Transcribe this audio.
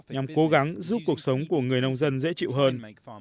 nhằm cố gắng giúp cuộc sống của người nông dân dễ chịu hơn